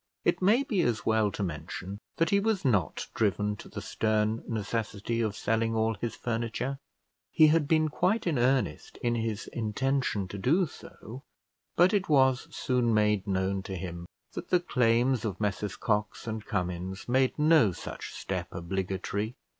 It may be as well to mention that he was not driven to the stern necessity of selling all his furniture: he had been quite in earnest in his intention to do so, but it was soon made known to him that the claims of Messrs Cox and Cummins made no such step obligatory.